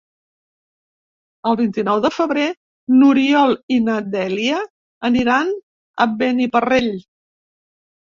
El vint-i-nou de febrer n'Oriol i na Dèlia aniran a Beniparrell.